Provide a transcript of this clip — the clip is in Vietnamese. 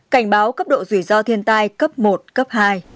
cảnh báo cấp độ rủi ro thiên tai cấp một cấp hai